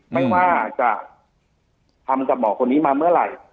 ไม่ว่าจะทำกับหมอคนนี้มาเมื่อไหร่